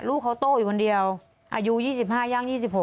ลูกเขาโต้อยู่คนเดียวอายุ๒๕ย่าง๒๖